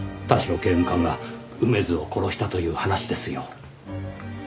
田代刑務官が梅津を殺したという話ですよ。